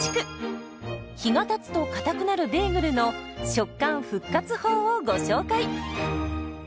日がたつとかたくなるベーグルの食感復活法をご紹介。